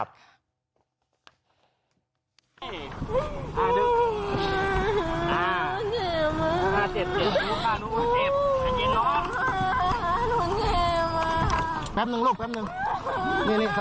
เข้าไปนี่